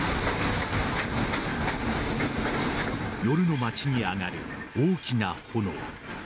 夜の街に上がる大きな炎。